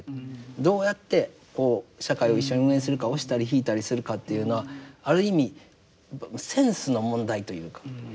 どうやって社会を一緒に運営するか押したり引いたりするかっていうのはある意味センスの問題というか。